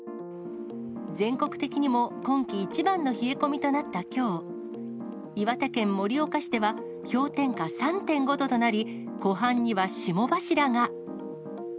全国的にも今季一番の冷え込みとなったきょう、岩手県盛岡市では、氷点下３．５度となり、湖畔には霜柱が。